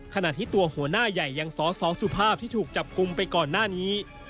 ขณะที่ตัวหัวหน้าใหญ่ยังสสสุภาพที่ถูกจับกลุ่มไปก่อนหน้านี้